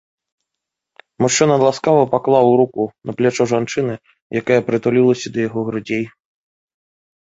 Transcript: Мужчына ласкава паклаў руку на плячо жанчыны, якая прытулілася да яго грудзей.